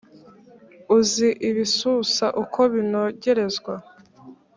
uzi ibisusa uko binogerezwa